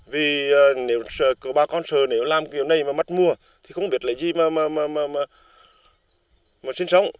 vì nếu bà con sợ nếu làm kiểu này mà mất mua thì không biết là gì mà sinh sống